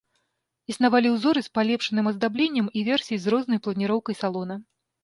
Існавалі ўзоры з палепшаным аздабленнем і версіі з рознай планіроўкай салона.